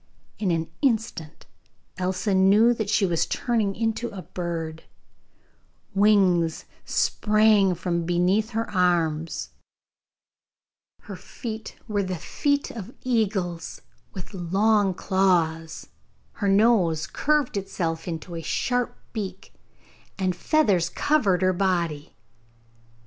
In an instant Elsa knew that she was turning into a bird: wings sprang from beneath her arms; her feet were the feet of eagles, with long claws; her nose curved itself into a sharp beak, and feathers covered her body.